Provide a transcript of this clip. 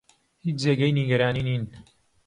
هیچ جێگەی نیگەرانی نین.